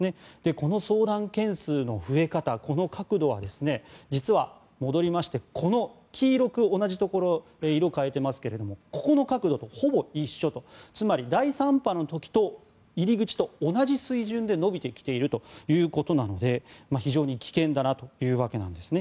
この相談件数の増え方、角度は実は同じところ、黄色く色変えていますがここの角度とほぼ一緒とつまり第３波の時と同じ水準で伸びてきているということなので非常に危険だなというわけです。